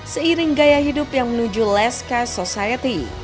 seiring gaya hidup yang menuju less cash society